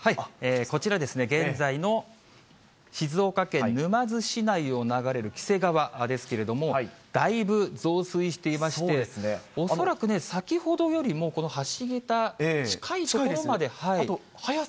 こちら、現在の静岡県沼津市内を流れる黄瀬川ですけれども、だいぶ増水していまして、恐らく先ほどよりも、この橋桁、近い所まで。